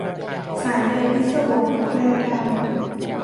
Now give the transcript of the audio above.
สายใยพิศวง - แพรดาว